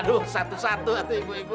aduh satu satu atau ibu ibu